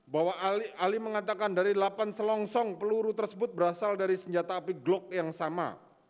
bahwa ahli mengatakan dari delapan selongsong peluru tersebut berasal dari senjata api glock yang sama